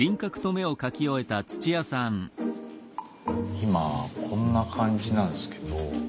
今こんな感じなんすけど。